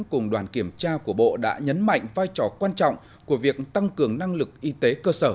cùng đoàn kiểm tra của bộ đã nhấn mạnh vai trò quan trọng của việc tăng cường năng lực y tế cơ sở